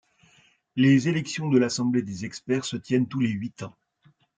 Les élections de l'assemblée des experts se tiennent tous les huit ans.